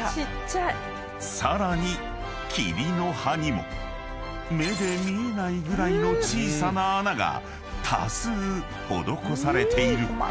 ［さらに桐の葉にも目で見えないぐらいの小さな穴が多数施されている］